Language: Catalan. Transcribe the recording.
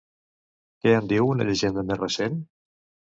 Què en diu una llegenda més recent?